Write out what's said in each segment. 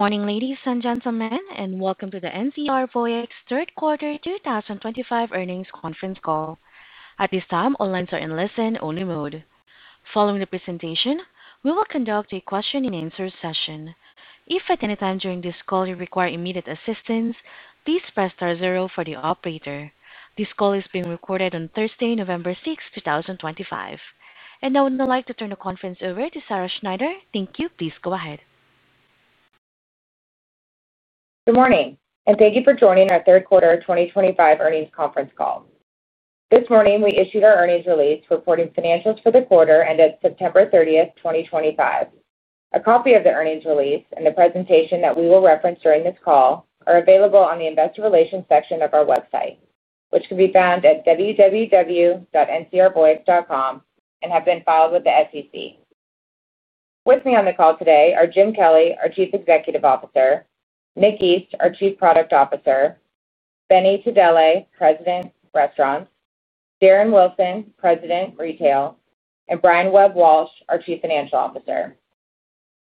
Morning, ladies and gentlemen, and welcome to the NCR Voyix third quarter 2025 earnings conference call. At this time, all lines are in listen-only mode. Following the presentation, we will conduct a question-and-answer session. If at any time during this call you require immediate assistance, please press star zero for the operator. This call is being recorded on Thursday, November 6, 2025. Now I would like to turn the conference over to Sarah Schneider. Thank you. Please go ahead. Good morning, and thank you for joining our third quarter 2025 earnings conference call. This morning, we issued our earnings release reporting financials for the quarter ended September 30th, 2025. A copy of the earnings release and the presentation that we will reference during this call are available on the investor relations section of our website, which can be found at www.ncrvoyix.com.com and have been filed with the SEC. With me on the call today are Jim Kelly, our Chief Executive Officer; Nick East, our Chief Product Officer; Benny Tadele, President Restaurants; Darren Wilson, President Retail; and Brian Webb-Walsh, our Chief Financial Officer.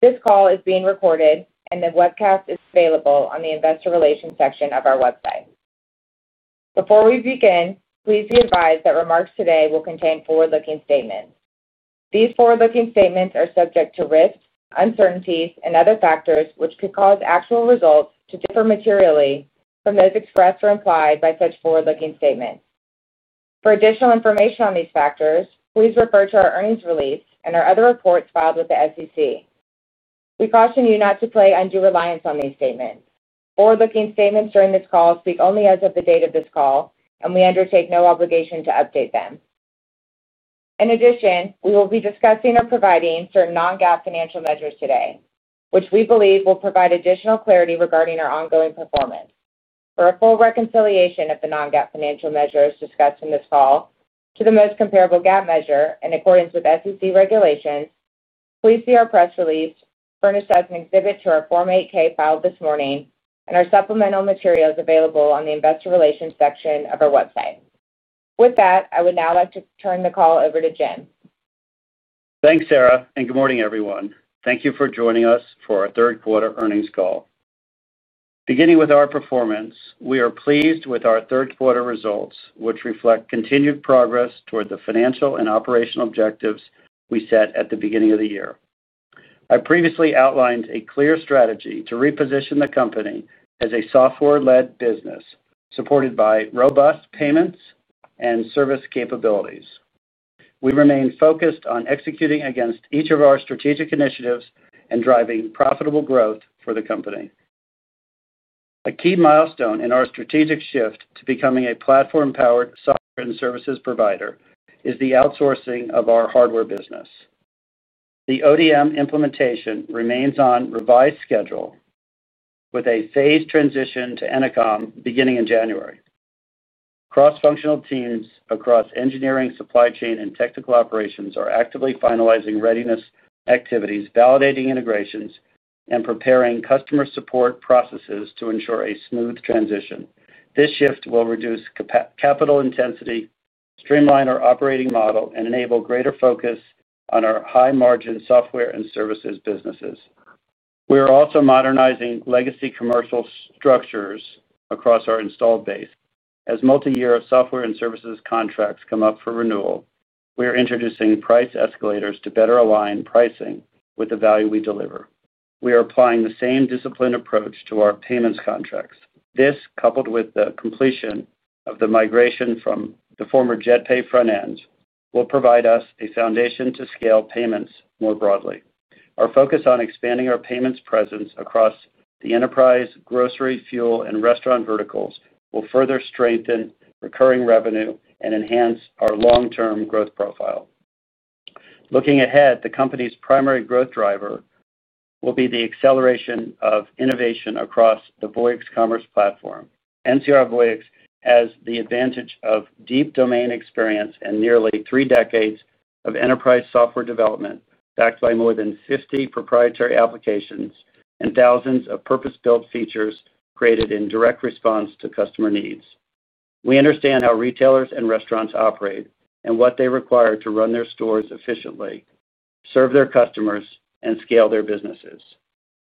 This call is being recorded, and the webcast is available on the investor relations section of our website. Before we begin, please be advised that remarks today will contain forward-looking statements. These forward-looking statements are subject to risks, uncertainties, and other factors which could cause actual results to differ materially from those expressed or implied by such forward-looking statements. For additional information on these factors, please refer to our earnings release and our other reports filed with the SEC. We caution you not to place undue reliance on these statements. Forward-looking statements during this call speak only as of the date of this call, and we undertake no obligation to update them. In addition, we will be discussing or providing certain non-GAAP financial measures today, which we believe will provide additional clarity regarding our ongoing performance. For a full reconciliation of the non-GAAP financial measures discussed in this call to the most comparable GAAP measure in accordance with SEC regulations, please see our press release, furnished as an exhibit to our Form 8-K filed this morning, and our supplemental materials available on the investor relations section of our website. With that, I would now like to turn the call over to Jim. Thanks, Sarah, and good morning, everyone. Thank you for joining us for our third quarter earnings call. Beginning with our performance, we are pleased with our third quarter results, which reflect continued progress toward the financial and operational objectives we set at the beginning of the year. I previously outlined a clear strategy to reposition the company as a software-led business supported by robust payments and service capabilities. We remain focused on executing against each of our strategic initiatives and driving profitable growth for the company. A key milestone in our strategic shift to becoming a platform-powered software and services provider is the outsourcing of our hardware business. The ODM implementation remains on revised schedule, with a phased transition to Ennoconn beginning in January. Cross-functional teams across engineering, supply chain, and technical operations are actively finalizing readiness activities, validating integrations, and preparing customer support processes to ensure a smooth transition. This shift will reduce capital intensity, streamline our operating model, and enable greater focus on our high-margin software and services businesses. We are also modernizing legacy commercial structures across our installed base. As multi-year software and services contracts come up for renewal, we are introducing price escalators to better align pricing with the value we deliver. We are applying the same disciplined approach to our payments contracts. This, coupled with the completion of the migration from the former JetPay front end, will provide us a foundation to scale payments more broadly. Our focus on expanding our payments presence across the enterprise, grocery, fuel, and restaurant verticals will further strengthen recurring revenue and enhance our long-term growth profile. Looking ahead, the company's primary growth driver will be the acceleration of innovation across the Voyix Commerce Platform. NCR Voyix has the advantage of deep domain experience and nearly three decades of enterprise software development backed by more than 50 proprietary applications and thousands of purpose-built features created in direct response to customer needs. We understand how retailers and restaurants operate and what they require to run their stores efficiently, serve their customers, and scale their businesses.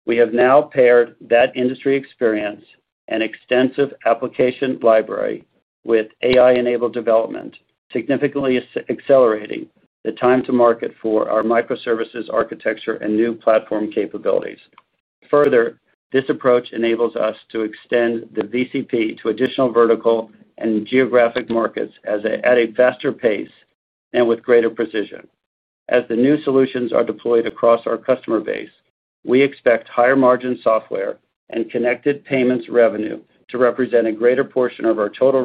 We have now paired that industry experience and extensive application library with AI-enabled development, significantly accelerating the time to market for our microservices architecture and new platform capabilities. Further, this approach enables us to extend the VCP to additional vertical and geographic markets at a faster pace and with greater precision. As the new solutions are deployed across our customer base, we expect higher-margin software and connected payments revenue to represent a greater portion of our total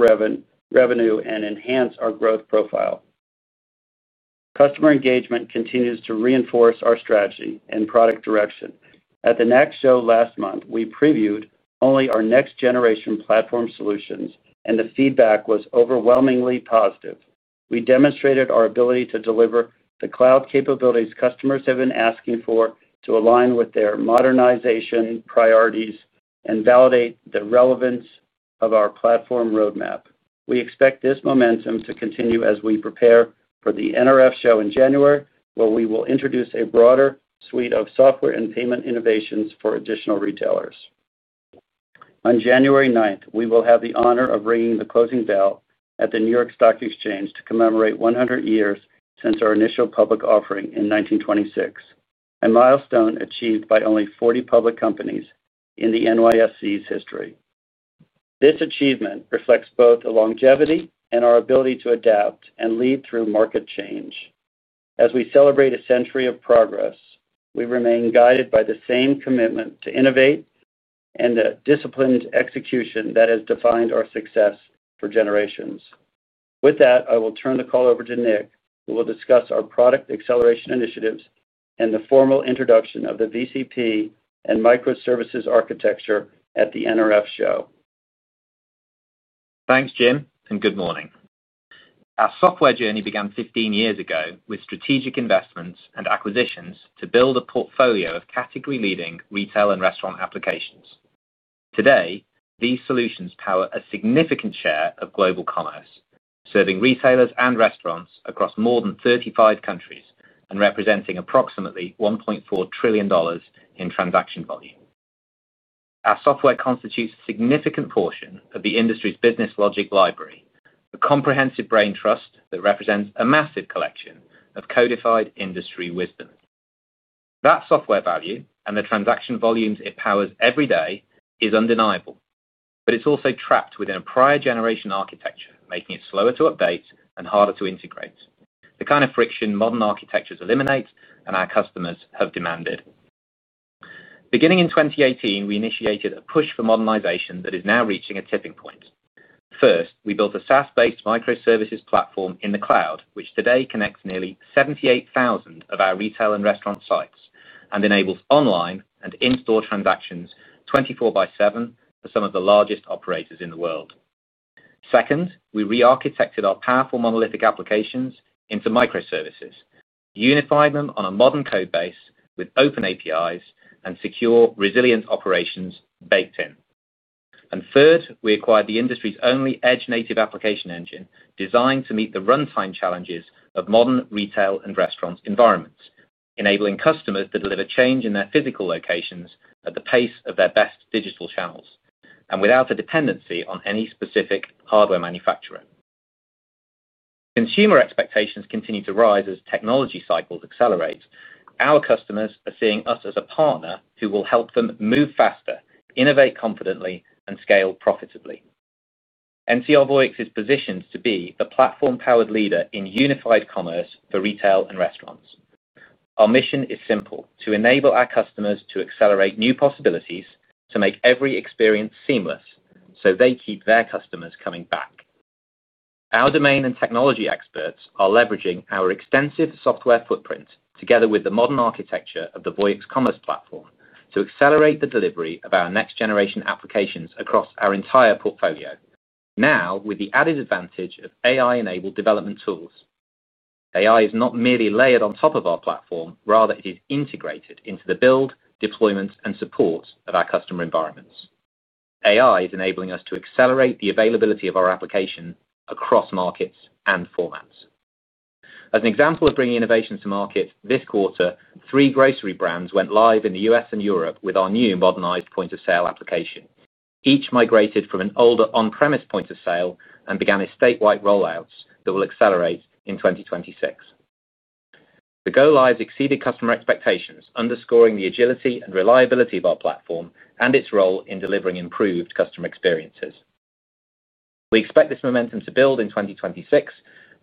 revenue and enhance our growth profile. Customer engagement continues to reinforce our strategy and product direction. At the NACS Show last month, we previewed only our next-generation platform solutions, and the feedback was overwhelmingly positive. We demonstrated our ability to deliver the cloud capabilities customers have been asking for to align with their modernization priorities and validate the relevance of our platform roadmap. We expect this momentum to continue as we prepare for the NRF Show in January, where we will introduce a broader suite of software and payment innovations for additional retailers. On January 9th, we will have the honor of ringing the closing bell at the New York Stock Exchange to commemorate 100 years since our initial public offering in 1926, a milestone achieved by only 40 public companies in the NYSE's history. This achievement reflects both the longevity and our ability to adapt and lead through market change. As we celebrate a century of progress, we remain guided by the same commitment to innovate and the disciplined execution that has defined our success for generations. With that, I will turn the call over to Nick, who will discuss our product acceleration initiatives and the formal introduction of the VCP and microservices architecture at the NRF Show. Thanks, Jim, and good morning. Our software journey began 15 years ago with strategic investments and acquisitions to build a portfolio of category-leading retail and restaurant applications. Today, these solutions power a significant share of global commerce, serving retailers and restaurants across more than 35 countries and representing approximately $1.4 trillion in transaction volume. Our software constitutes a significant portion of the industry's business logic library, a comprehensive brain trust that represents a massive collection of codified industry wisdom. That software value and the transaction volumes it powers every day is undeniable, but it's also trapped within a prior-generation architecture, making it slower to update and harder to integrate, the kind of friction modern architectures eliminate and our customers have demanded. Beginning in 2018, we initiated a push for modernization that is now reaching a tipping point. First, we built a SaaS-based microservices platform in the cloud, which today connects nearly 78,000 of our retail and restaurant sites and enables online and in-store transactions 24/7 for some of the largest operators in the world. Second, we re-architected our powerful monolithic applications into microservices, unified them on a modern code base with open APIs and secure, resilient operations baked in. Third, we acquired the industry's only edge-native application engine designed to meet the runtime challenges of modern retail and restaurant environments, enabling customers to deliver change in their physical locations at the pace of their best digital channels and without a dependency on any specific hardware manufacturer. Consumer expectations continue to rise as technology cycles accelerate. Our customers are seeing us as a partner who will help them move faster, innovate confidently, and scale profitably. NCR Voyix is positioned to be the platform-powered leader in unified commerce for retail and restaurants. Our mission is simple: to enable our customers to accelerate new possibilities, to make every experience seamless so they keep their customers coming back. Our domain and technology experts are leveraging our extensive software footprint together with the modern architecture of the Voyix Commerce Platform to accelerate the delivery of our next-generation applications across our entire portfolio, now with the added advantage of AI-enabled development tools. AI is not merely layered on top of our platform; rather, it is integrated into the build, deployment, and support of our customer environments. AI is enabling us to accelerate the availability of our application across markets and formats. As an example of bringing innovations to market, this quarter, three grocery brands went live in the U.S. and Europe with our new modernized point-of-sale application. Each migrated from an older on-premise point of sale and began a statewide rollout that will accelerate in 2026. The go-lives exceeded customer expectations, underscoring the agility and reliability of our platform and its role in delivering improved customer experiences. We expect this momentum to build in 2026,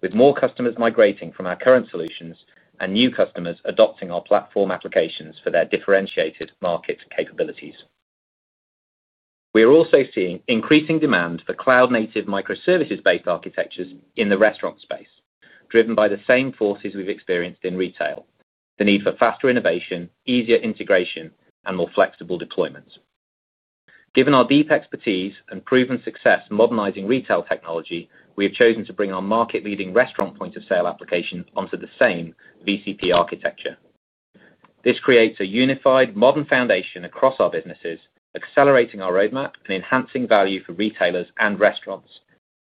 with more customers migrating from our current solutions and new customers adopting our platform applications for their differentiated market capabilities. We are also seeing increasing demand for cloud-native microservices-based architectures in the restaurant space, driven by the same forces we've experienced in retail: the need for faster innovation, easier integration, and more flexible deployments. Given our deep expertise and proven success modernizing retail technology, we have chosen to bring our market-leading restaurant point-of-sale application onto the same VCP architecture. This creates a unified, modern foundation across our businesses, accelerating our roadmap and enhancing value for retailers and restaurants,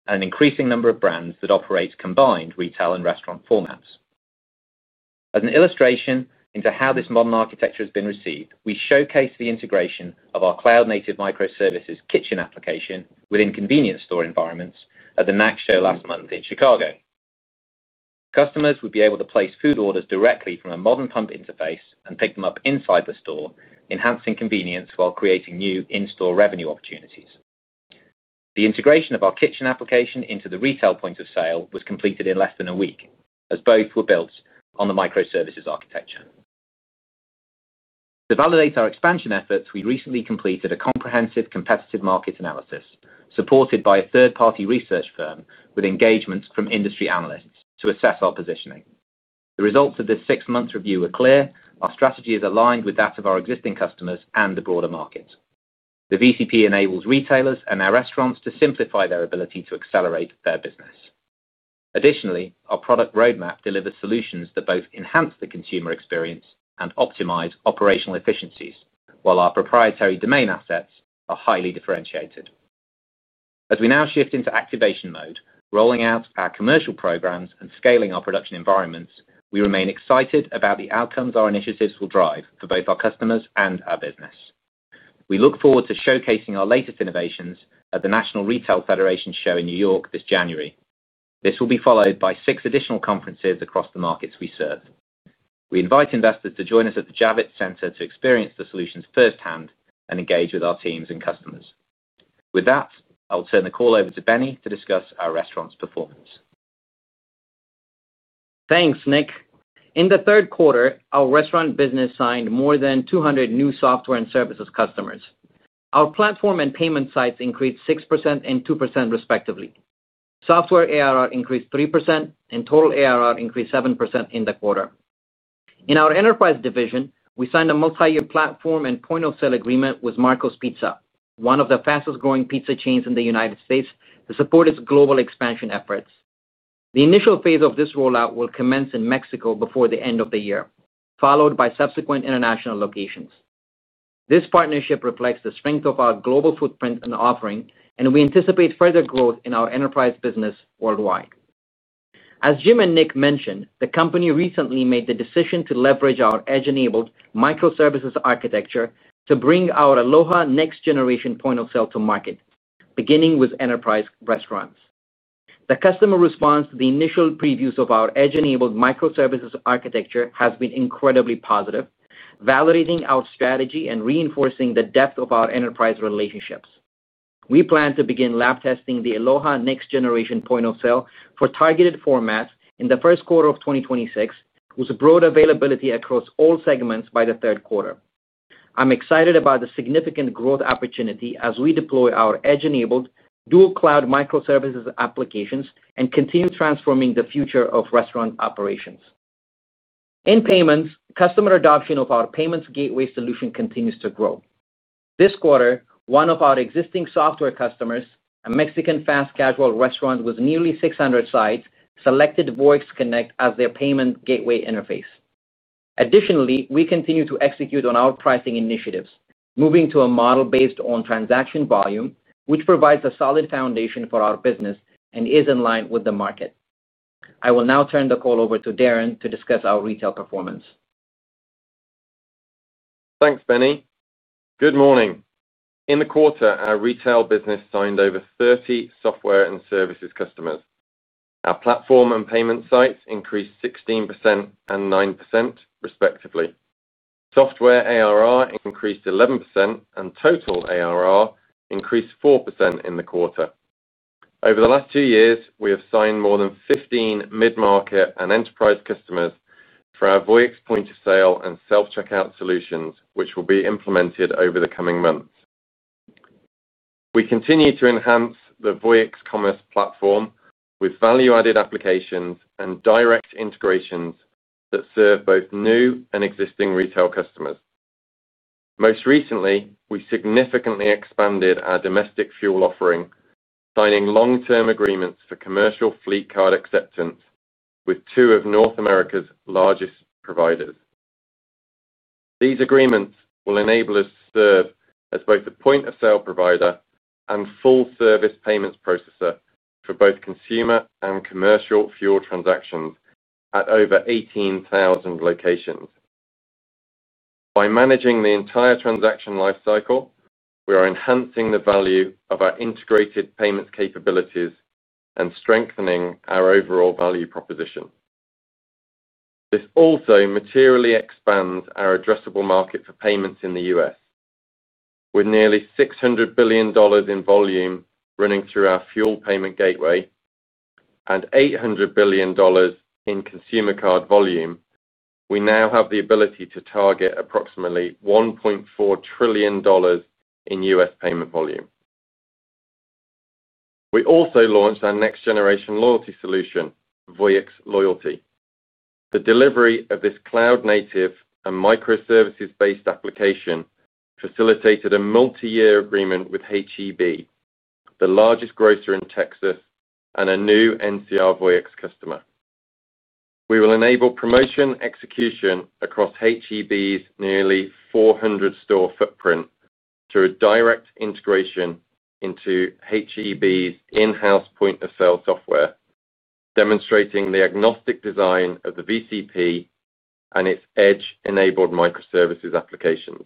and an increasing number of brands that operate combined retail and restaurant formats. As an illustration into how this modern architecture has been received, we showcased the integration of our cloud-native microservices kitchen application within convenience store environments at the NACS Show last month in Chicago. Customers would be able to place food orders directly from a modern pump interface and pick them up inside the store, enhancing convenience while creating new in-store revenue opportunities. The integration of our kitchen application into the retail point of sale was completed in less than a week, as both were built on the microservices architecture. To validate our expansion efforts, we recently completed a comprehensive competitive market analysis supported by a third-party research firm with engagements from industry analysts to assess our positioning. The results of this six-month review are clear: our strategy is aligned with that of our existing customers and the broader market. The VCP enables retailers and our restaurants to simplify their ability to accelerate their business. Additionally, our product roadmap delivers solutions that both enhance the consumer experience and optimize operational efficiencies, while our proprietary domain assets are highly differentiated. As we now shift into activation mode, rolling out our commercial programs and scaling our production environments, we remain excited about the outcomes our initiatives will drive for both our customers and our business. We look forward to showcasing our latest innovations at the National Retail Federation Show in New York this January. This will be followed by six additional conferences across the markets we serve. We invite investors to join us at the Javits Center to experience the solutions firsthand and engage with our teams and customers. With that, I'll turn the call over to Benny to discuss our restaurant's performance. Thanks, Nick. In the third quarter, our restaurant business signed more than 200 new software and services customers. Our platform and payment sites increased 6% and 2%, respectively. Software ARR increased 3%, and total ARR increased 7% in the quarter. In our enterprise division, we signed a multi-year platform and point-of-sale agreement with Marco's Pizza, one of the fastest-growing pizza chains in the United States, to support its global expansion efforts. The initial phase of this rollout will commence in Mexico before the end of the year, followed by subsequent international locations. This partnership reflects the strength of our global footprint and offering, and we anticipate further growth in our enterprise business worldwide. As Jim and Nick mentioned, the company recently made the decision to leverage our edge-enabled microservices architecture to bring our Aloha next-generation point-of-sale to market, beginning with enterprise restaurants. The customer response to the initial previews of our edge-enabled microservices architecture has been incredibly positive, validating our strategy and reinforcing the depth of our enterprise relationships. We plan to begin lab testing the Aloha next-generation point-of-sale for targeted formats in the first quarter of 2026, with broad availability across all segments by the third quarter. I'm excited about the significant growth opportunity as we deploy our edge-enabled dual-cloud microservices applications and continue transforming the future of restaurant operations. In payments, customer adoption of our payments gateway solution continues to grow. This quarter, one of our existing software customers, a Mexican fast casual restaurant with nearly 600 sites, selected Voyix Connect as their payment gateway interface. Additionally, we continue to execute on our pricing initiatives, moving to a model based on transaction volume, which provides a solid foundation for our business and is in line with the market. I will now turn the call over to Darren to discuss our retail performance. Thanks, Benny. Good morning. In the quarter, our retail business signed over 30 software and services customers. Our platform and payment sites increased 16% and 9%, respectively. Software ARR increased 11%, and total ARR increased 4% in the quarter. Over the last two years, we have signed more than 15 mid-market and enterprise customers for our Voyix point-of-sale and self-checkout solutions, which will be implemented over the coming months. We continue to enhance the Voyix Commerce Platform with value-added applications and direct integrations that serve both new and existing retail customers. Most recently, we significantly expanded our domestic fuel offering, signing long-term agreements for commercial fleet card acceptance with two of North America's largest providers. These agreements will enable us to serve as both a point-of-sale provider and full-service payments processor for both consumer and commercial fuel transactions at over 18,000 locations. By managing the entire transaction lifecycle, we are enhancing the value of our integrated payments capabilities and strengthening our overall value proposition. This also materially expands our addressable market for payments in the U.S. With nearly $600 billion in volume running through our fuel payment gateway and $800 billion in consumer card volume, we now have the ability to target approximately $1.4 trillion in U.S. payment volume. We also launched our next-generation loyalty solution, Voyix Loyalty. The delivery of this cloud-native and microservices-based application facilitated a multi-year agreement with H-E-B, the largest grocer in Texas, and a new NCR Voyix customer. We will enable promotion execution across H-E-B's nearly 400-store footprint through a direct integration into H-E-B's in-house point-of-sale software, demonstrating the agnostic design of the VCP and its edge-enabled microservices applications.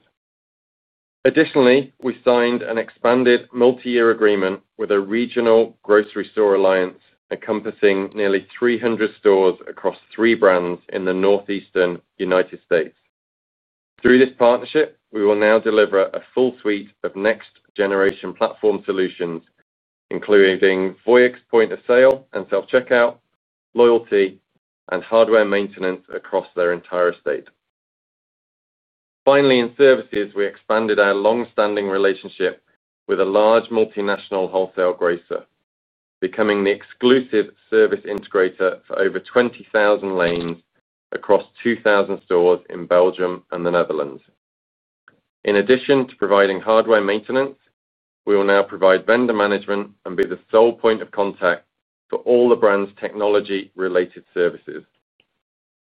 Additionally, we signed an expanded multi-year agreement with a regional grocery store alliance encompassing nearly 300 stores across three brands in the northeastern United States. Through this partnership, we will now deliver a full suite of next-generation platform solutions, including Voyix point-of-sale and self-checkout, loyalty, and hardware maintenance across their entire estate. Finally, in services, we expanded our long-standing relationship with a large multinational wholesale grocer, becoming the exclusive service integrator for over 20,000 lanes across 2,000 stores in Belgium and the Netherlands. In addition to providing hardware maintenance, we will now provide vendor management and be the sole point of contact for all the brand's technology-related services.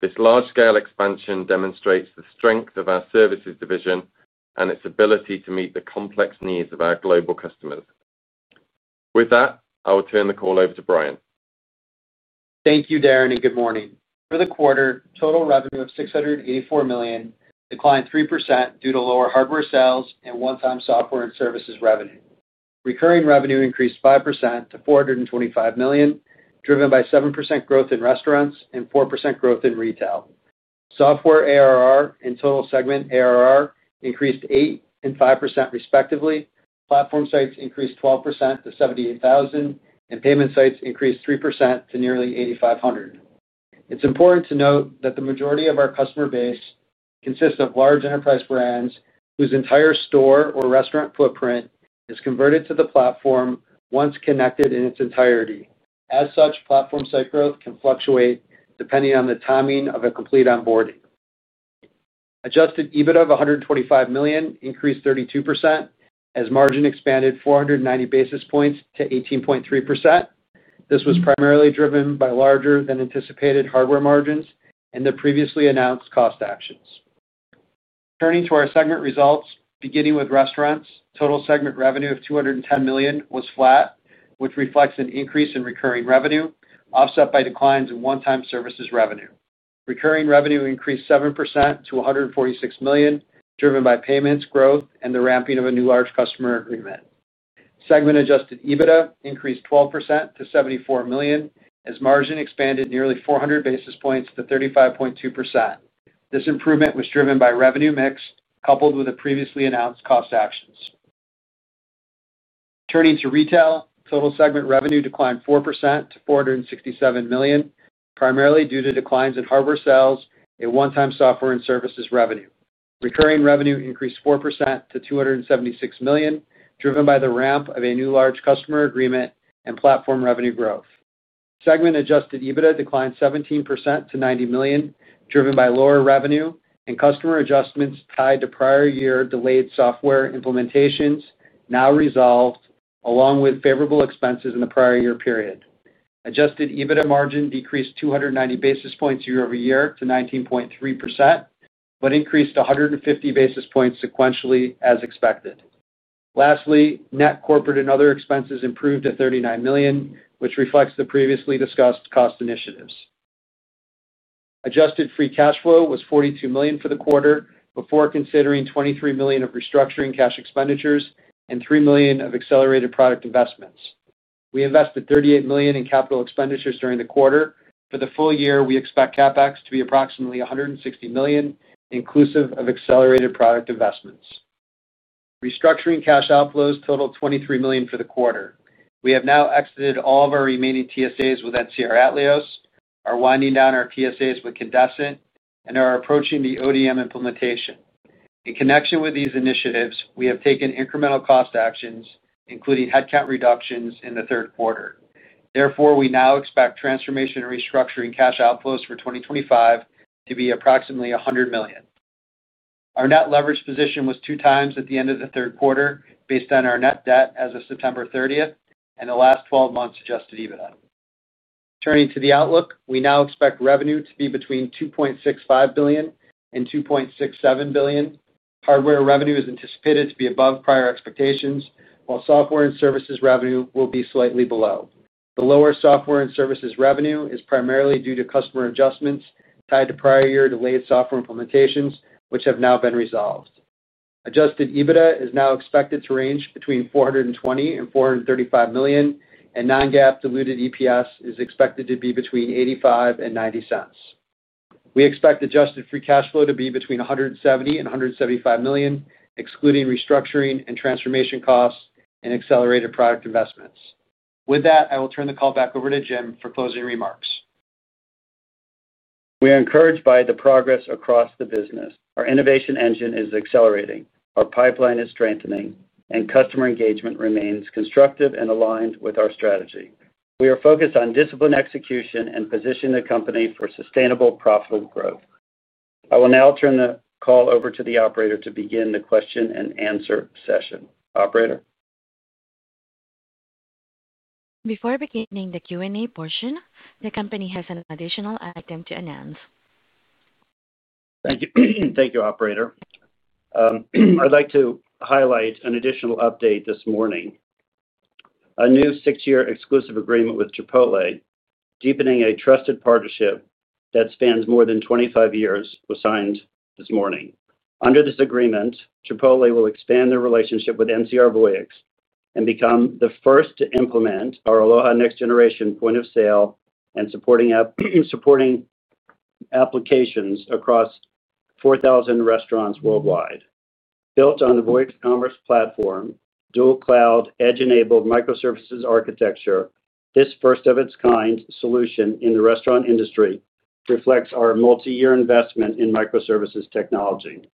This large-scale expansion demonstrates the strength of our services division and its ability to meet the complex needs of our global customers. With that, I will turn the call over to Brian. Thank you, Darren, and good morning. For the quarter, total revenue of $684 million declined 3% due to lower hardware sales and one-time software and services revenue. Recurring revenue increased 5% to $425 million, driven by 7% growth in restaurants and 4% growth in retail. Software ARR and total segment ARR increased 8% and 5%, respectively. Platform sites increased 12% to $78,000, and payment sites increased 3% to nearly $8,500. It's important to note that the majority of our customer base consists of large enterprise brands whose entire store or restaurant footprint is converted to the platform once connected in its entirety. As such, platform site growth can fluctuate depending on the timing of a complete onboarding. Adjusted EBIT of $125 million increased 32% as margin expanded 490 basis points to 18.3%. This was primarily driven by larger-than-anticipated hardware margins and the previously announced cost actions. Turning to our segment results, beginning with restaurants, total segment revenue of $210 million was flat, which reflects an increase in recurring revenue, offset by declines in one-time services revenue. Recurring revenue increased 7% to $146 million, driven by payments growth and the ramping of a new large customer agreement. Segment-adjusted EBIT increased 12% to $74 million as margin expanded nearly 400 basis points to 35.2%. This improvement was driven by revenue mix coupled with the previously announced cost actions. Turning to retail, total segment revenue declined 4% to $467 million, primarily due to declines in hardware sales and one-time software and services revenue. Recurring revenue increased 4% to $276 million, driven by the ramp of a new large customer agreement and platform revenue growth. Segment-adjusted EBIT declined 17% to $90 million, driven by lower revenue and customer adjustments tied to prior-year delayed software implementations now resolved, along with favorable expenses in the prior-year period. Adjusted EBIT margin decreased 290 basis points year-over-year to 19.3%, but increased 150 basis points sequentially as expected. Lastly, net corporate and other expenses improved to $39 million, which reflects the previously discussed cost initiatives. Adjusted free cash flow was $42 million for the quarter before considering $23 million of restructuring cash expenditures and $3 million of accelerated product investments. We invested $38 million in capital expenditures during the quarter. For the full year, we expect CapEx to be approximately $160 million, inclusive of accelerated product investments. Restructuring cash outflows totaled $23 million for the quarter. We have now exited all of our remaining TSAs with NCR Atleos, are winding down our TSAs with Candescent, and are approaching the ODM implementation. In connection with these initiatives, we have taken incremental cost actions, including headcount reductions in the third quarter. Therefore, we now expect transformation and restructuring cash outflows for 2025 to be approximately $100 million. Our net leverage position was 2x at the end of the third quarter based on our net debt as of September 30th and the last 12 months' adjusted EBITDA. Turning to the outlook, we now expect revenue to be between $2.65 billion and $2.67 billion. Hardware revenue is anticipated to be above prior expectations, while software and services revenue will be slightly below. The lower software and services revenue is primarily due to customer adjustments tied to prior-year delayed software implementations, which have now been resolved. Adjusted EBITDA is now expected to range between $420 million and $435 million, and non-GAAP diluted EPS is expected to be between $0.85 and $0.90. We expect adjusted free cash flow to be between $170 million and $175 million, excluding restructuring and transformation costs and accelerated product investments. With that, I will turn the call back over to Jim for closing remarks. We are encouraged by the progress across the business. Our innovation engine is accelerating, our pipeline is strengthening, and customer engagement remains constructive and aligned with our strategy. We are focused on disciplined execution and positioning the company for sustainable, profitable growth. I will now turn the call over to the operator to begin the question-and-answer session. Operator. Before beginning the Q&A portion, the company has an additional item to announce. Thank you, operator. I'd like to highlight an additional update this morning. A new six-year exclusive agreement with Chipotle, deepening a trusted partnership that spans more than 25 years, was signed this morning. Under this agreement, Chipotle will expand their relationship with NCR Voyix and become the first to implement our Aloha next-generation point-of-sale and supporting applications across 4,000 restaurants worldwide. Built on the Voyix Commerce Platform, dual-cloud edge-enabled microservices architecture, this first-of-its-kind solution in the restaurant industry reflects our multi-year investment in microservices technology.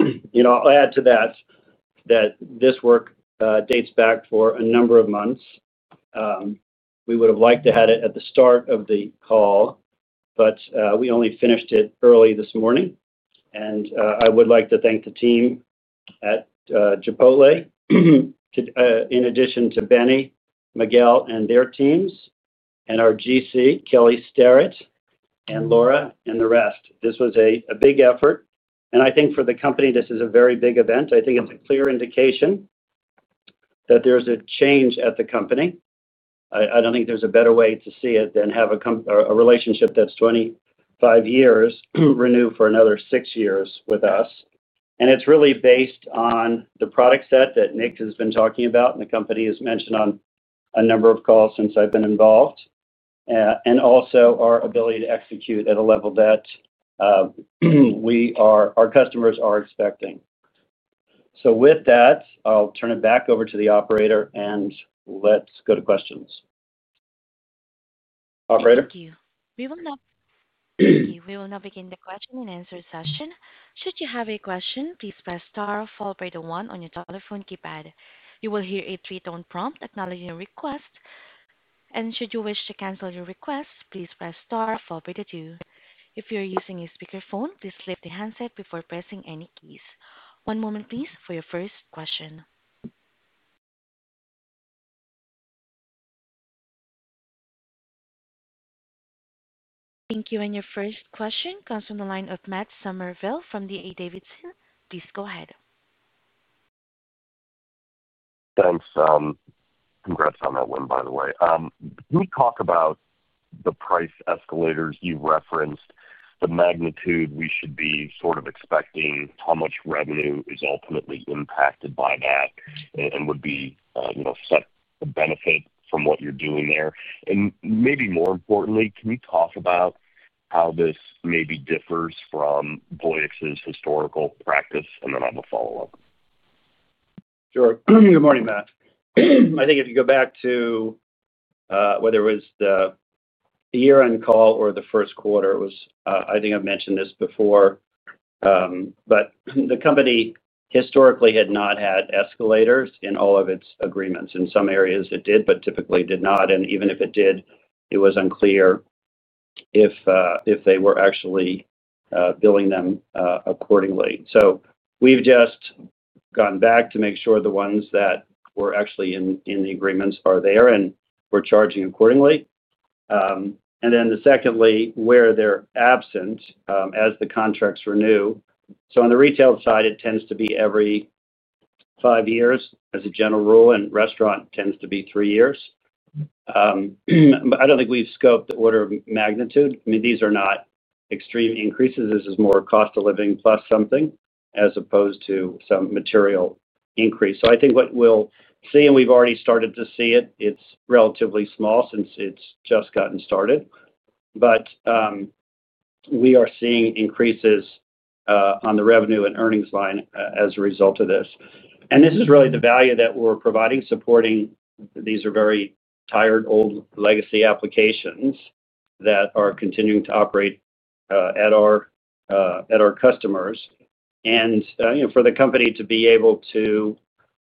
I'll add to that that this work dates back for a number of months. We would have liked to have had it at the start of the call, but we only finished it early this morning. I would like to thank the team at Chipotle. In addition to Benny, Miguel, and their teams, and our GC, Kelli Sterrett, and Laura, and the rest. This was a big effort. I think for the company, this is a very big event. I think it's a clear indication that there's a change at the company. I don't think there's a better way to see it than have a relationship that's 25 years renew for another six years with us. It's really based on the product set that Nick has been talking about, and the company has mentioned on a number of calls since I've been involved. Also our ability to execute at a level that our customers are expecting. With that, I'll turn it back over to the operator, and let's go to questions. Operator. Thank you. We will now begin the question-and-answer session. Should you have a question, please press star followed by the one on your telephone keypad. You will hear a three-tone prompt acknowledging your request. Should you wish to cancel your request, please press star followed by the two. If you're using a speakerphone, please flip the handset before pressing any keys. One moment, please, for your first question. Thank you. Your first question comes from the line of Matt Summerville from D.A. Davidson. Please go ahead. Thanks. Congrats on that one, by the way. Can we talk about the price escalators you referenced? The magnitude we should be sort of expecting, how much revenue is ultimately impacted by that, and would be a benefit from what you're doing there? Maybe more importantly, can we talk about how this maybe differs from Voyix's historical practice? I have a follow-up. Sure. Good morning, Matt. I think if you go back to, whether it was the year-end call or the first quarter, I think I've mentioned this before, but the company historically had not had escalators in all of its agreements. In some areas, it did, but typically did not. Even if it did, it was unclear if they were actually billing them accordingly. We have just gone back to make sure the ones that were actually in the agreements are there and we are charging accordingly. Secondly, where they are absent as the contracts renew. On the retail side, it tends to be every five years as a general rule, and restaurant tends to be three years. I do not think we have scoped the order of magnitude. I mean, these are not extreme increases. This is more cost of living plus something as opposed to some material increase. I think what we'll see, and we've already started to see it, it's relatively small since it's just gotten started. We are seeing increases on the revenue and earnings line as a result of this. This is really the value that we're providing, supporting these very tired, old legacy applications that are continuing to operate at our customers. For the company to be able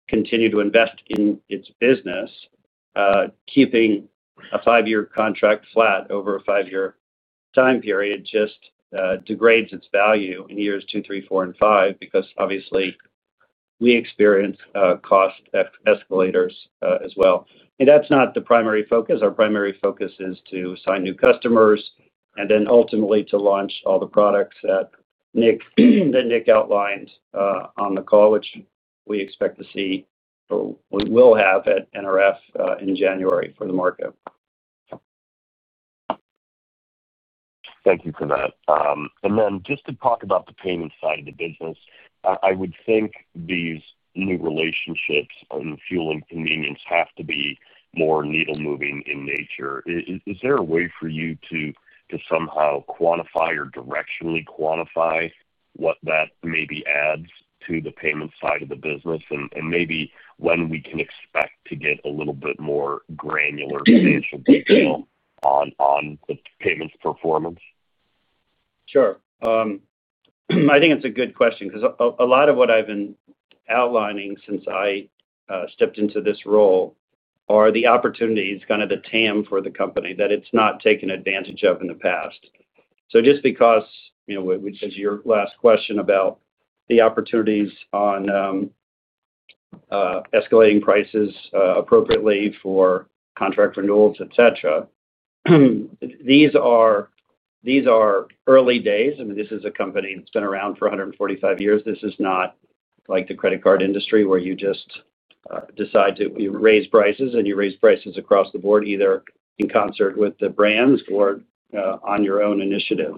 to continue to invest in its business, keeping a five-year contract flat over a five-year time period just degrades its value in years two, three, four, and five because, obviously, we experience cost escalators as well. That's not the primary focus. Our primary focus is to assign new customers and then ultimately to launch all the products that Nick outlined on the call, which we expect to see or we will have at NRF in January for the market. Thank you for that. Just to talk about the payment side of the business, I would think these new relationships and fueling convenience have to be more needle-moving in nature. Is there a way for you to somehow quantify or directionally quantify what that maybe adds to the payment side of the business? Maybe when we can expect to get a little bit more granular financial detail on the payments performance? Sure. I think it's a good question because a lot of what I've been outlining since I stepped into this role are the opportunities, kind of the TAM for the company that it's not taken advantage of in the past. Just because, as your last question about the opportunities on escalating prices appropriately for contract renewals, etc., these are early days. I mean, this is a company that's been around for 145 years. This is not like the credit card industry where you just decide to raise prices and you raise prices across the board either in concert with the brands or on your own initiative.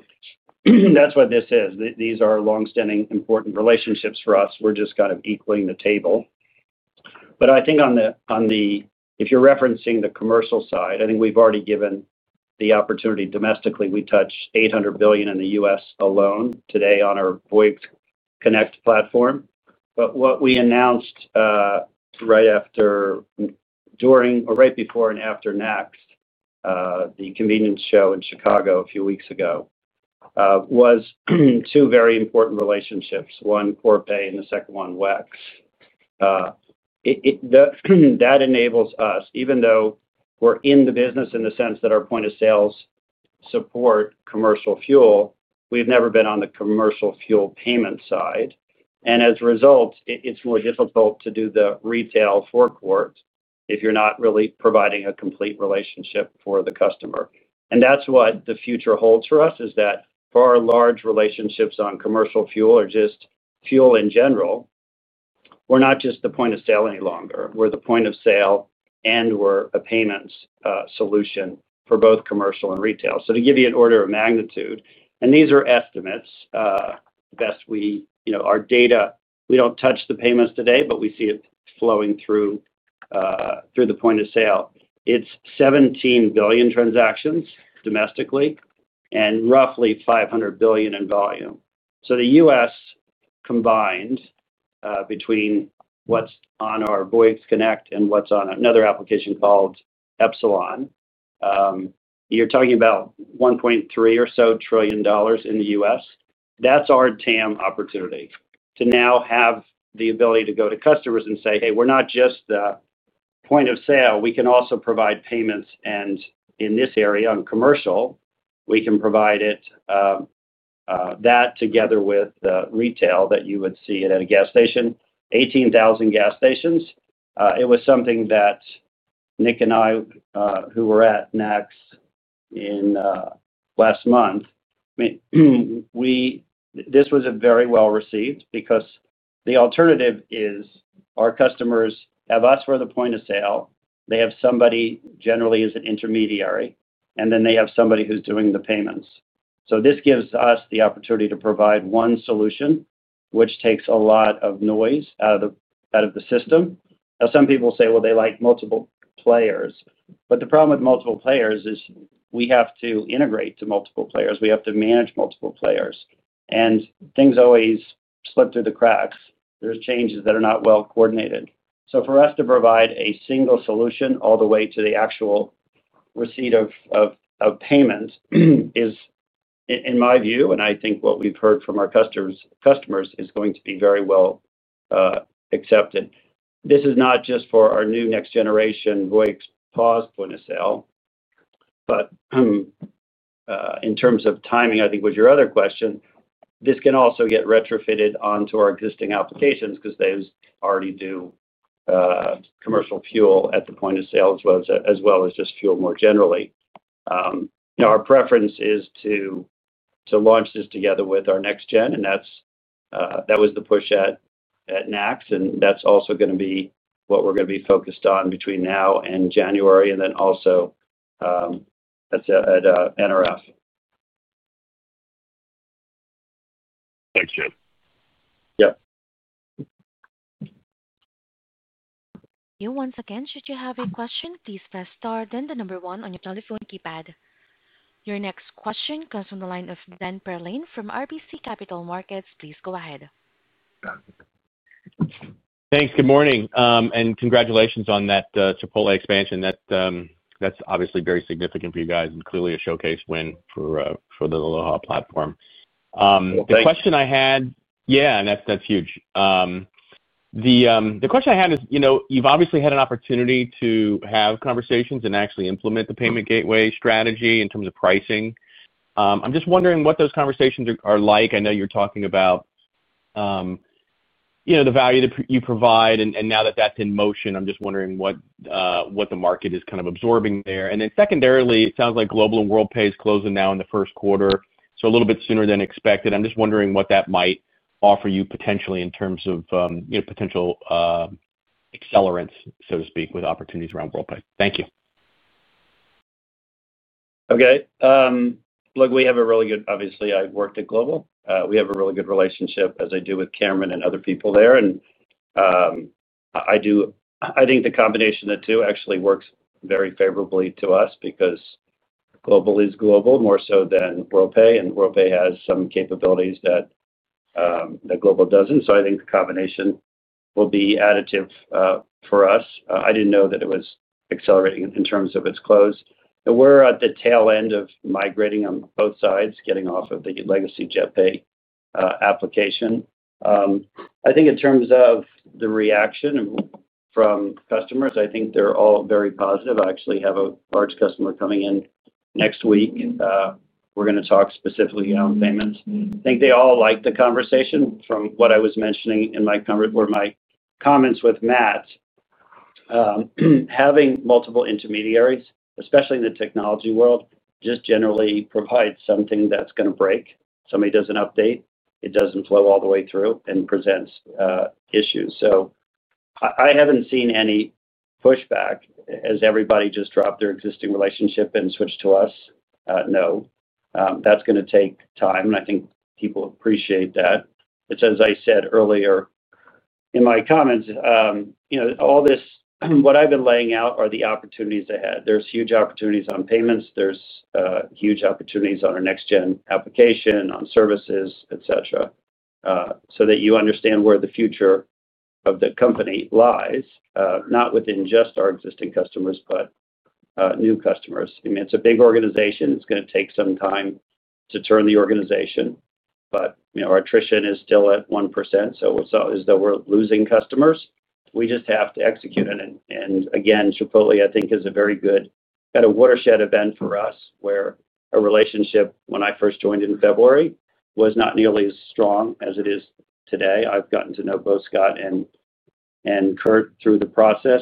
That's what this is. These are long-standing important relationships for us. We're just kind of equaling the table. I think on the, if you're referencing the commercial side, I think we've already given the opportunity domestically. We touched $800 billion in the U.S. alone today on our Voyix Connect platform. What we announced right after, during, or right before and after NACS, the convenience show in Chicago a few weeks ago, was two very important relationships, one Corpay and the second one WEX. That enables us, even though we're in the business in the sense that our point of sales support commercial fuel, we've never been on the commercial fuel payment side. As a result, it's more difficult to do the retail forklift if you're not really providing a complete relationship for the customer. That is what the future holds for us is that for large relationships on commercial fuel or just fuel in general, we're not just the point of sale any longer. We're the point of sale and we're a payments solution for both commercial and retail. To give you an order of magnitude, and these are estimates. Best we our data, we don't touch the payments today, but we see it flowing through. The point of sale. It's $17 billion transactions domestically and roughly $500 billion in volume. The U.S. combined between what's on our Voyix Connect and what's on another application called Epsilon. You're talking about $1.3 or so trillion in the U.S. That's our TAM opportunity to now have the ability to go to customers and say, "Hey, we're not just the point of sale. We can also provide payments." In this area on commercial, we can provide it. That together with the retail that you would see at a gas station, 18,000 gas stations. It was something that Nick and I, who were at NACS in last month. This was very well received because the alternative is our customers have us for the point of sale. They have somebody generally as an intermediary, and then they have somebody who's doing the payments. This gives us the opportunity to provide one solution, which takes a lot of noise out of the system. Some people say, "Well, they like multiple players." The problem with multiple players is we have to integrate to multiple players. We have to manage multiple players. Things always slip through the cracks. There are changes that are not well coordinated. For us to provide a single solution all the way to the actual receipt of payment is, in my view, and I think what we've heard from our customers, going to be very well accepted. This is not just for our new next-generation Voyix point of sale. But. In terms of timing, I think, was your other question, this can also get retrofitted onto our existing applications because those already do commercial fuel at the point of sale as well as just fuel more generally. Our preference is to launch this together with our next gen, and that was the push at NACS. That is also going to be what we are going to be focused on between now and January. That is at NRF. Thanks, Jim. Yeah. Once again, should you have a question, please press star then the number one on your telephone keypad. Your next question comes from the line of Dan Perlin from RBC Capital Markets. Please go ahead. Thanks. Good morning. Congratulations on that Chipotle expansion. That's obviously very significant for you guys and clearly a showcase win for the Aloha platform. The question I had. Thanks. Yeah. And that's huge. The question I had is you've obviously had an opportunity to have conversations and actually implement the payment gateway strategy in terms of pricing. I'm just wondering what those conversations are like. I know you're talking about the value that you provide. And now that that's in motion, I'm just wondering what the market is kind of absorbing there. And then secondarily, it sounds like Global and Worldpay is closing now in the first quarter, so a little bit sooner than expected. I'm just wondering what that might offer you potentially in terms of potential accelerants, so to speak, with opportunities around Worldpay. Thank you. Okay. Look, we have a really good, obviously, I worked at Global. We have a really good relationship, as I do with Cameron and other people there. And. I think the combination of the two actually works very favorably to us because. Global is global more so than Worldpay, and Worldpay has some capabilities that. Global doesn't. I think the combination will be additive for us. I didn't know that it was accelerating in terms of its close. We're at the tail end of migrating on both sides, getting off of the legacy JetPay application. I think in terms of the reaction from customers, I think they're all very positive. I actually have a large customer coming in next week. We're going to talk specifically on payments. I think they all like the conversation from what I was mentioning in my. Comments with Matt. Having multiple intermediaries, especially in the technology world, just generally provides something that's going to break. Somebody does an update, it doesn't flow all the way through and presents issues. I haven't seen any pushback as everybody just dropped their existing relationship and switched to us. No. That's going to take time, and I think people appreciate that. As I said earlier in my comments, all this, what I've been laying out, are the opportunities ahead. There's huge opportunities on payments. There's huge opportunities on our next-gen application, on services, etc., so that you understand where the future of the company lies, not within just our existing customers, but new customers. I mean, it's a big organization. It's going to take some time to turn the organization. Our attrition is still at 1%, so it's not as though we're losing customers. We just have to execute it. Again, Chipotle, I think, is a very good kind of watershed event for us where our relationship, when I first joined in February, was not nearly as strong as it is today. I've gotten to know both Scott and Kurt through the process.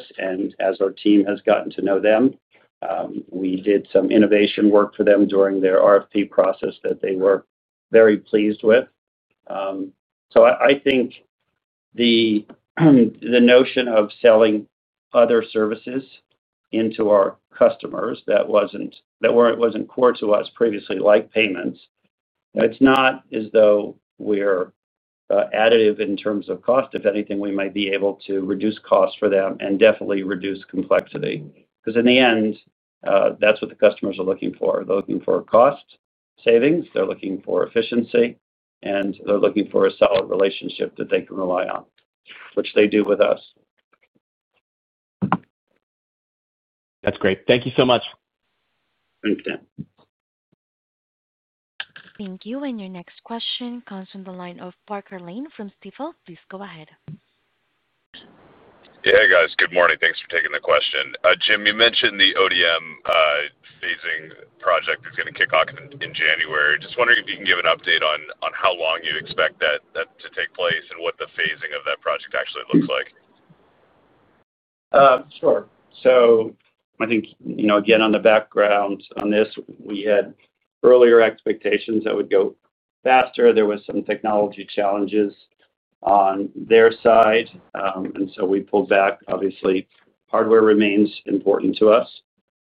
As our team has gotten to know them, we did some innovation work for them during their RFP process that they were very pleased with. I think the notion of selling other services into our customers that was not core to us previously, like payments, it's not as though we're additive in terms of cost. If anything, we might be able to reduce costs for them and definitely reduce complexity because in the end, that's what the customers are looking for. They're looking for cost savings. They're looking for efficiency, and they're looking for a solid relationship that they can rely on, which they do with us. That's great. Thank you so much. Thanks, Tim. Thank you. Your next question comes from the line of Parker Lane from Stifel. Please go ahead. Hey, guys. Good morning. Thanks for taking the question. Jim, you mentioned the ODM phasing project is going to kick off in January. Just wondering if you can give an update on how long you expect that to take place and what the phasing of that project actually looks like. Sure. I think, again, on the background on this, we had earlier expectations that would go faster. There were some technology challenges on their side, and we pulled back. Obviously, hardware remains important to us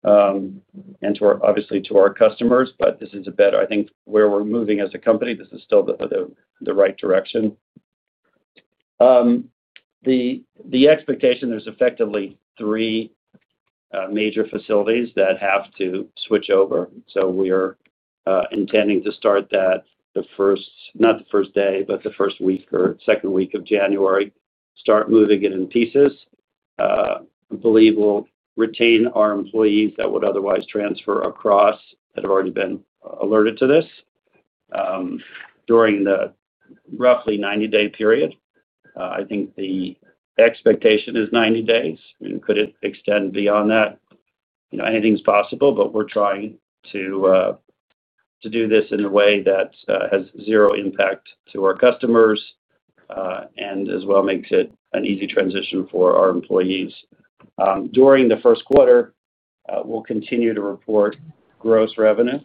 and obviously to our customers, but this is a better—I think where we're moving as a company, this is still the right direction. The expectation, there's effectively three major facilities that have to switch over. We're intending to start that the first—not the first day, but the first week or second week of January, start moving it in pieces. I believe we'll retain our employees that would otherwise transfer across that have already been alerted to this. During the roughly 90-day period. I think the expectation is 90 days. I mean, could it extend beyond that? Anything's possible, but we're trying to. Do this in a way that has zero impact to our customers. As well, makes it an easy transition for our employees. During the first quarter, we'll continue to report gross revenue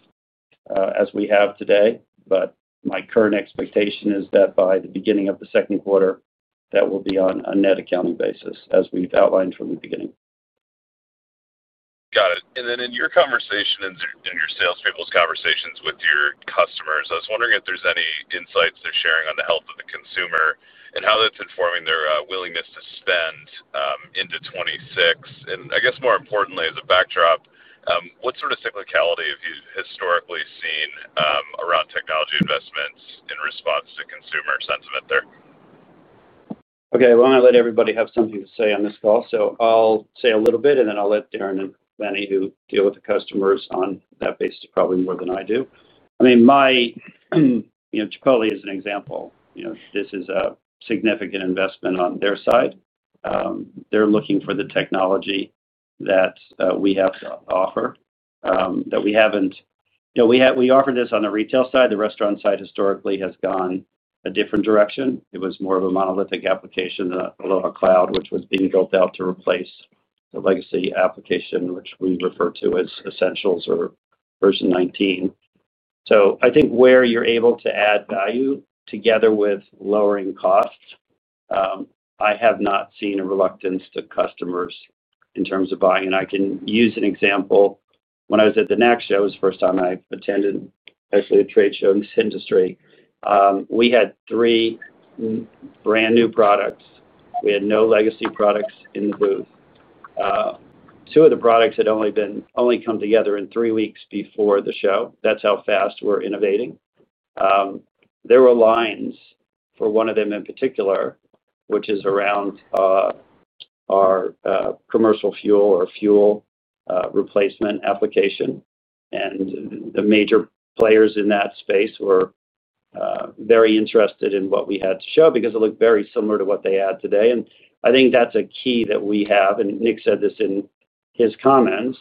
as we have today. My current expectation is that by the beginning of the second quarter, that will be on a net accounting basis, as we've outlined from the beginning. Got it. In your conversation and your salespeople's conversations with your customers, I was wondering if there's any insights they're sharing on the health of the consumer and how that's informing their willingness to spend into 2026. I guess more importantly, as a backdrop, what sort of cyclicality have you historically seen around technology investments in response to consumer sentiment there? Okay. I'm going to let everybody have something to say on this call. I'll say a little bit, and then I'll let Darren and Benny, who deal with the customers on that basis probably more than I do. I mean, Chipotle is an example. This is a significant investment on their side. They're looking for the technology that we have to offer that we haven't. We offer this on the retail side. The restaurant side historically has gone a different direction. It was more of a monolithic application, a little cloud, which was being built out to replace the legacy application, which we refer to as Essentials or version 19. I think where you're able to add value together with lowering costs, I have not seen a reluctance to customers in terms of buying. I can use an example. When I was at the NACS, that was the first time I attended, actually, a trade show in this industry. We had three brand new products. We had no legacy products in the booth. Two of the products had only come together in three weeks before the show. That is how fast we are innovating. There were lines for one of them in particular, which is around our commercial fuel or fuel replacement application. The major players in that space were very interested in what we had to show because it looked very similar to what they had today. I think that is a key that we have. Nick said this in his comments.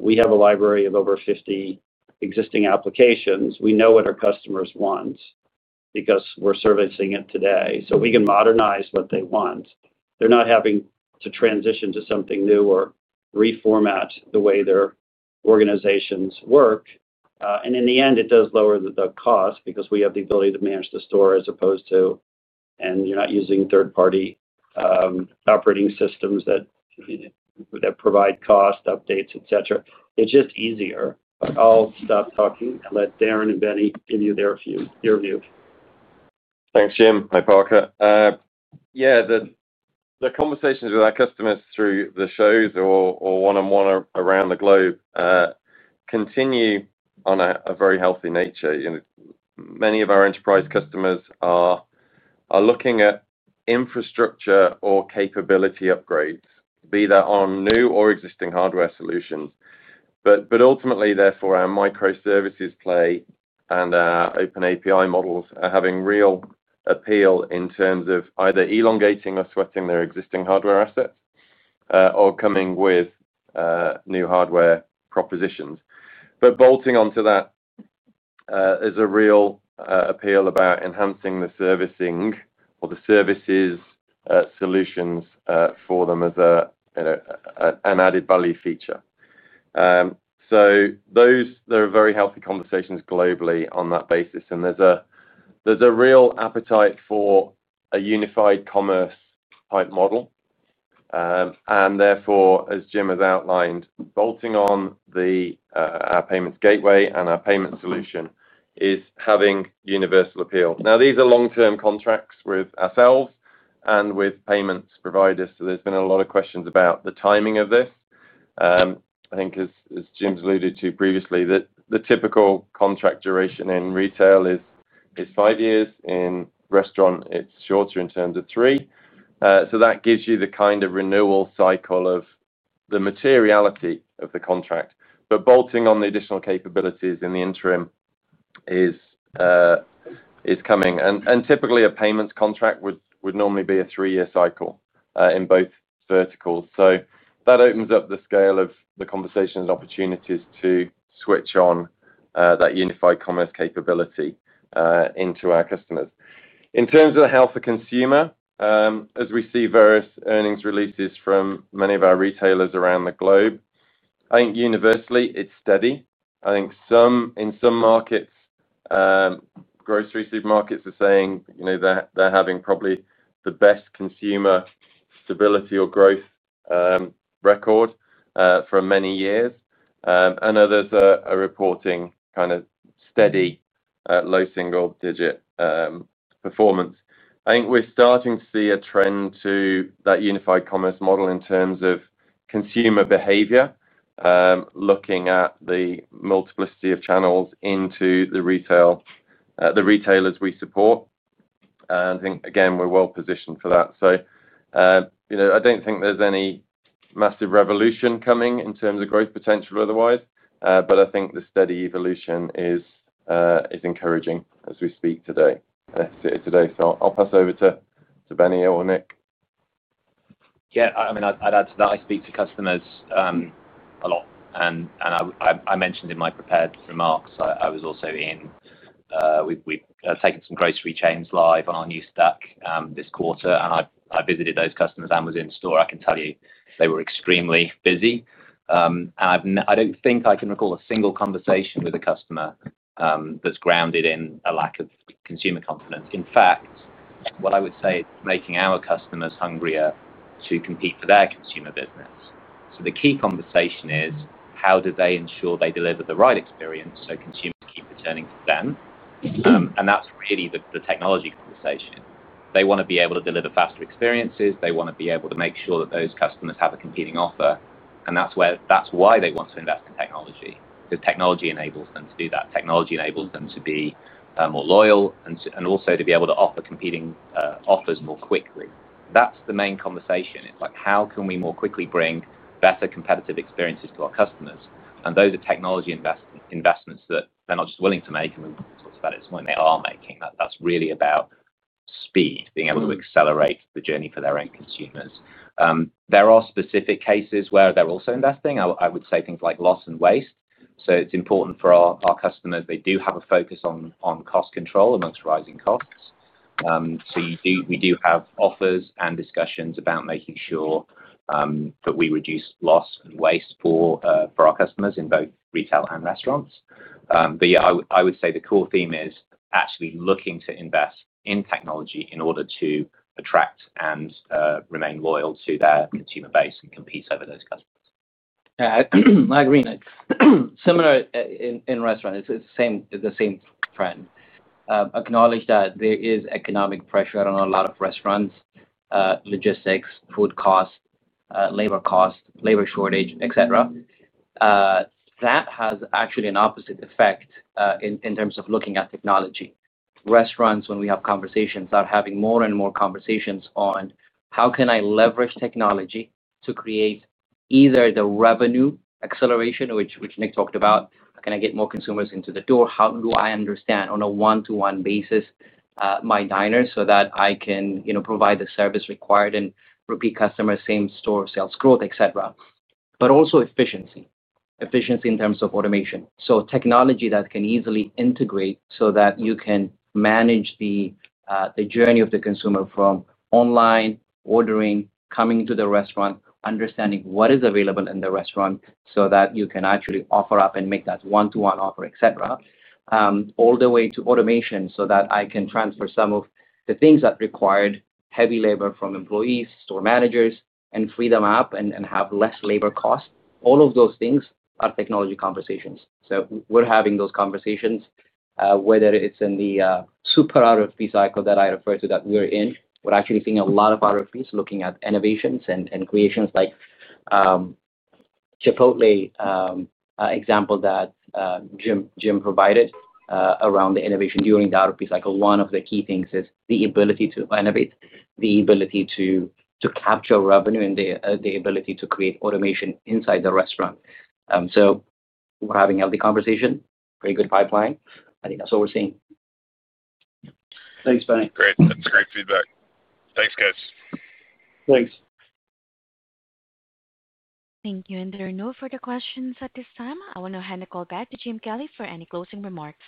We have a library of over 50 existing applications. We know what our customers want because we are servicing it today. We can modernize what they want. They're not having to transition to something new or reformat the way their organizations work. In the end, it does lower the cost because we have the ability to manage the store as opposed to. You're not using third-party operating systems that provide cost updates, etc. It's just easier. I'll stop talking and let Darren and Benny give you their view. Thanks, Jim. Hi, Parker. Yeah. The conversations with our customers through the shows or one-on-one around the globe continue on a very healthy nature. Many of our enterprise customers are looking at infrastructure or capability upgrades, be that on new or existing hardware solutions. Ultimately, therefore, our microservices play and our OpenAPI models are having real appeal in terms of either elongating or sweating their existing hardware assets or coming with new hardware propositions. Bolting onto that is a real appeal about enhancing the servicing or the services solutions for them as an added value feature. There are very healthy conversations globally on that basis. There's a real appetite for a unified commerce-type model. Therefore, as Jim has outlined, bolting on our payments gateway and our payment solution is having universal appeal. These are long-term contracts with ourselves and with payments providers. There has been a lot of questions about the timing of this. I think, as Jim's alluded to previously, that the typical contract duration in retail is five years. In restaurant, it's shorter in terms of three. That gives you the kind of renewal cycle of the materiality of the contract. Bolting on the additional capabilities in the interim is coming. Typically, a payments contract would normally be a three-year cycle in both verticals. That opens up the scale of the conversations and opportunities to switch on that unified commerce capability into our customers. In terms of the health of consumer, as we see various earnings releases from many of our retailers around the globe, I think universally it's steady. I think in some markets, grocery supermarkets are saying they're having probably the best consumer stability or growth record for many years. Others are reporting kind of steady, low single-digit performance. I think we're starting to see a trend to that unified commerce model in terms of consumer behavior, looking at the multiplicity of channels into the retailers we support. I think, again, we're well positioned for that. I don't think there's any massive revolution coming in terms of growth potential otherwise. I think the steady evolution is encouraging as we speak today. That's it today. I'll pass over to Benny or Nick. Yeah. I mean, I'd add to that. I speak to customers a lot. And I mentioned in my prepared remarks, I was also in. We've taken some grocery chains live on our new stack this quarter. And I visited those customers and was in store. I can tell you they were extremely busy. I don't think I can recall a single conversation with a customer that's grounded in a lack of consumer confidence. In fact, what I would say is making our customers hungrier to compete for their consumer business. The key conversation is, how do they ensure they deliver the right experience so consumers keep returning to them? That's really the technology conversation. They want to be able to deliver faster experiences. They want to be able to make sure that those customers have a competing offer. That is why they want to invest in technology, because technology enables them to do that. Technology enables them to be more loyal and also to be able to offer competing offers more quickly. That is the main conversation. It is like, how can we more quickly bring better competitive experiences to our customers? Those are technology investments that they are not just willing to make. We have talked about it at some point. They are making them. That is really about speed, being able to accelerate the journey for their end consumers. There are specific cases where they are also investing. I would say things like loss and waste. It is important for our customers. They do have a focus on cost control amongst rising costs. We do have offers and discussions about making sure that we reduce loss and waste for our customers in both retail and restaurants. Yeah, I would say the core theme is actually looking to invest in technology in order to attract and remain loyal to their consumer base and compete over those customers. I agree. Similar in restaurants. It's the same trend. Acknowledge that there is economic pressure on a lot of restaurants. Logistics, food costs, labor costs, labor shortage, etc. That has actually an opposite effect in terms of looking at technology. Restaurants, when we have conversations, are having more and more conversations on, how can I leverage technology to create either the revenue acceleration, which Nick talked about, how can I get more consumers into the door? How do I understand on a one-to-one basis my diners so that I can provide the service required and repeat customers, same store sales growth, etc.? Also efficiency. Efficiency in terms of automation. Technology that can easily integrate so that you can manage the. Journey of the consumer from online, ordering, coming to the restaurant, understanding what is available in the restaurant so that you can actually offer up and make that one-to-one offer, etc. All the way to automation so that I can transfer some of the things that required heavy labor from employees, store managers, and free them up and have less labor costs. All of those things are technology conversations. We are having those conversations, whether it's in the super RFP cycle that I refer to that we're in. We are actually seeing a lot of RFPs looking at innovations and creations like Chipotle. Example that Jim provided around the innovation during the RFP cycle. One of the key things is the ability to innovate, the ability to capture revenue, and the ability to create automation inside the restaurant. We are having a healthy conversation, very good pipeline. I think that's what we're seeing. Thanks, Benny. Great. That's great feedback. Thanks, guys. Thanks. Thank you. There are no further questions at this time. I will now hand the call back to Jim Kelly for any closing remarks.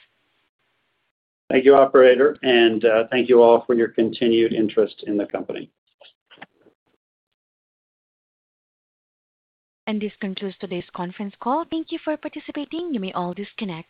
Thank you, operator. Thank you all for your continued interest in the company. This concludes today's conference call. Thank you for participating. You may all disconnect.